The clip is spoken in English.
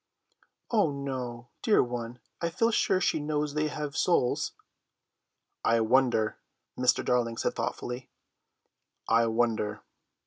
"Oh no, dear one, I feel sure she knows they have souls." "I wonder," Mr. Darling said thoughtfully, "I wonder."